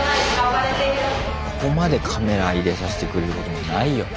ここまでカメラ入れさしてくれることもないよね。